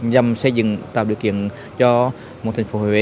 nhằm xây dựng tạo điều kiện cho một thành phố huế